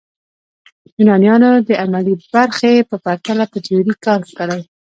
یونانیانو د عملي برخې په پرتله په تیوري کار کړی.